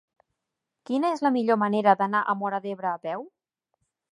Quina és la millor manera d'anar a Móra d'Ebre a peu?